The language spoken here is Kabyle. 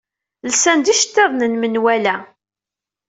Lsan-d iceḍḍiḍen n menwala.